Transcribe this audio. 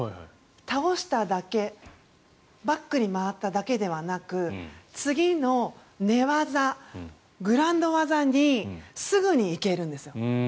倒しただけバックに回っただけではなく次の寝技、グランド技にすぐに行けるんですよ。